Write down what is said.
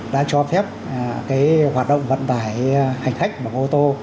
đã cho phép hoạt động vận tải hành khách bằng ô tô